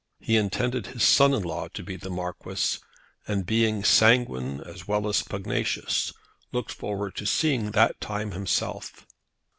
He intended his son in law to be the Marquis, and being sanguine as well as pugnacious looked forward to seeing that time himself.